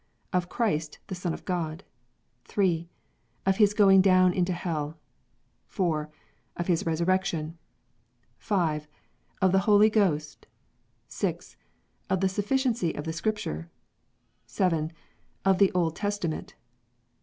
Of Christ the Son of God. 3. Of His going down into Hell. 4. Of His resurrection. 5. Of the Holy Ghost. 0. Of the Sufficiency of the Scrip ture. 7. Of the Old Testament.